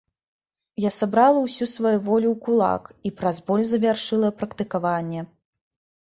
Я сабрала ўсю сваю волю ў кулак і праз боль завяршыла практыкаванне.